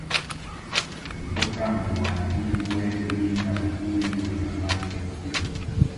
Ulimboka Mwangingwe Winga huyu wa zamani wa Simba